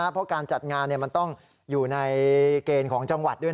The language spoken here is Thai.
เพราะการจัดงานมันต้องอยู่ในเกณฑ์ของจังหวัดด้วย